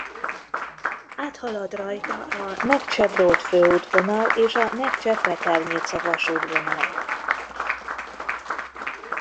Áthalad rajta a Nekcse-Bród főútvonal és a Nekcse-Pleternica vasútvonal.